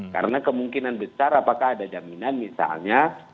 karena kemungkinan besar apakah ada jaminan misalnya